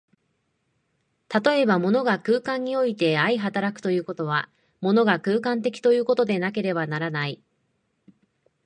例えば、物が空間において相働くということは、物が空間的ということでなければならない。